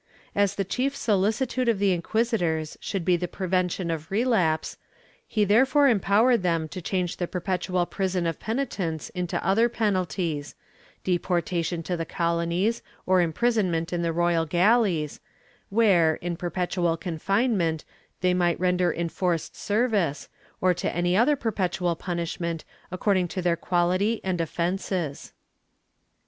As the chief soHcitude of the inquisitors should be the prevention of relapse, he therefore empowered them to change the perpetual prison of penitents into other penalties — deporta tion to the colonies, or imprisonment in the royal galleys, where, in perpetual confinement, they might render enforced service, or to any other perpetual punishment, according to their quality and offences.